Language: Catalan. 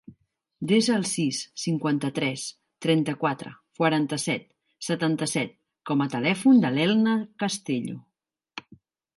Desa el sis, cinquanta-tres, trenta-quatre, quaranta-set, setanta-set com a telèfon de l'Elna Castello.